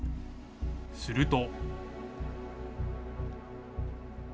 すると。